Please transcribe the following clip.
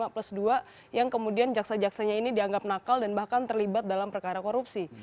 plus dua yang kemudian jaksa jaksanya ini dianggap nakal dan bahkan terlibat dalam perkara korupsi